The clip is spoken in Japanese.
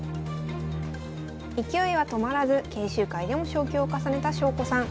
勢いは止まらず研修会でも昇級を重ねた翔子さん。